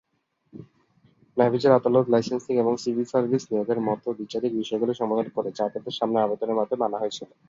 ন্যায়বিচার আদালত লাইসেন্সিং এবং civil service নিয়োগের মতো বিচারিক বিষয়গুলি সমাধান করে, যা তাদের সামনে আবেদনের মাধ্যমে আনা হয়েছিল।